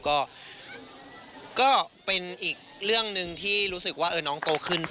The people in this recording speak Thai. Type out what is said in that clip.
ก็เป็นอีกเรื่องหนึ่งที่รู้สึกว่าน้องโตขึ้น